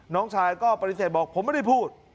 น้องชายก็ปฏิเสธบอกผมไม่ได้พูด